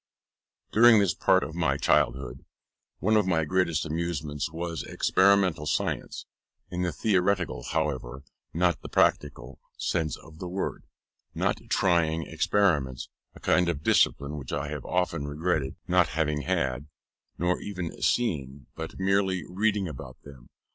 During this part of my childhood, one of my greatest amusements was experimental science; in the theoretical, however, not the practical sense of the word; not trying experiments a kind of discipline which I have often regretted not having had nor even seeing, but merely reading about them.